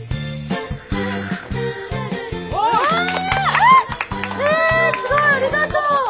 うわえすごいありがとう！